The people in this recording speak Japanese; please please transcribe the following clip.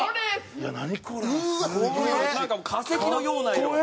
なんか化石のような色。